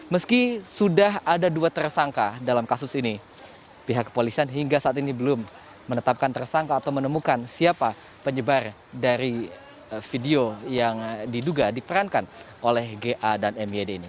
meski sudah ada dua tersangka dalam kasus ini pihak kepolisian hingga saat ini belum menetapkan tersangka atau menemukan siapa penyebar dari video yang diduga diperankan oleh ga dan myd ini